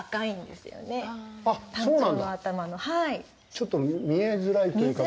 ちょっと見えづらいというか。